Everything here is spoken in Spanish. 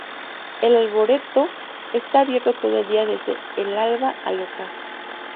El arboreto está abierto todo el día desde el alba al ocaso.